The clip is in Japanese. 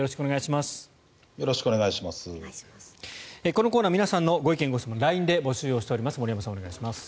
このコーナー皆さんのご意見・ご質問をＬＩＮＥで募集をしております。